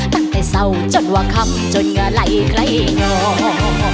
ตั้งแต่เซ่าจนว่าคำจนงะไหลใครเนาะ